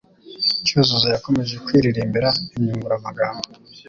Cyuzuzo yakomeje kwiririmbira inyunguramagambo